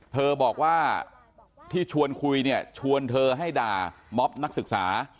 เธอบอกว่าที่ชวนคุยเนี่ยชวนเธอให้ด่าม็อบนักศึกษา